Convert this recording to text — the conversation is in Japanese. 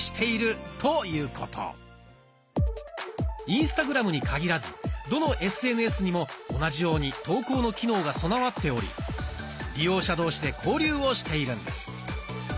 インスタグラムに限らずどのＳＮＳにも同じように投稿の機能が備わっており利用者同士で交流をしているんです。